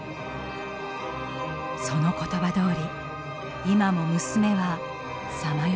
その言葉どおり今も娘はさまよい続けています。